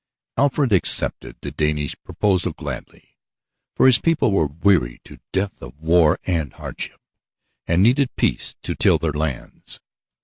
Alfred accepted the Danish proposal gladly, for his people were weary to death of war and hardship, and needed peace to till their lands.